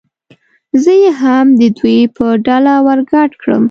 زه یې هم د دوی په ډله ور ګډ کړم.